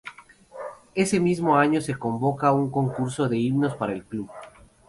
Ese mismo año se convoca un concurso de himnos para el club.